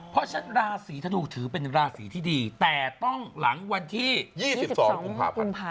เพราะฉะนั้นราศีธนูถือเป็นราศีที่ดีแต่ต้องหลังวันที่๒๒กุมภาพันธ์